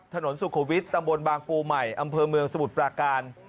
ถนนสุขุมวิทย์ตำบลบางปูใหม่อำเภอเมืองสมุทรปราการ